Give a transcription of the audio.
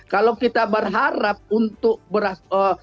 kalau kita berharap untuk beras